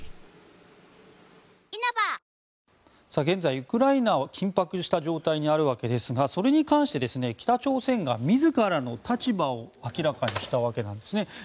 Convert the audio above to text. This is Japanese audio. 現在、ウクライナは緊迫した状態にあるわけですがそれに関して北朝鮮が自らの立場を明らかにしたわけなんですね。